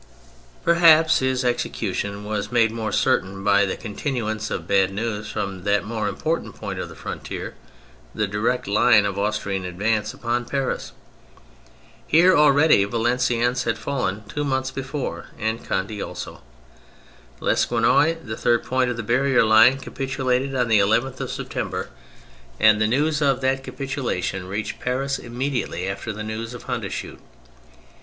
Perhaps his execution was made more certain by the continuance of bad news from that more important point of the frontier — the direct line of Austrian advance upon Paris. Here, already, Valenciennes had fallen two months before, and Conde also. Le quesnoy, the third point of the barrier line, capitulated on the 11th of September, and G 2 196 THE FRENCH REVOLUTION the news of that capitulation reached Paris immediately after the news of Hondschoote.